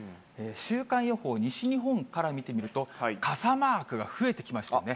週間予報、西日本から見てみると、傘マークが増えてきましたよね。